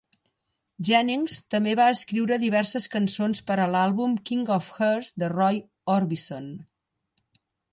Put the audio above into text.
Jennings també va escriure diverses cançons per a l'àlbum King Of Hearts de Roy Orbison.